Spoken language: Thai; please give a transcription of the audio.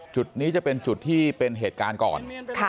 จุดนี้จะเป็นจุดที่เป็นเหตุการณ์ก่อน